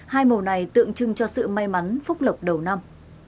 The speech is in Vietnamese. hai màu này tượng trưng cho sự may mắn phúc lộc đầu năm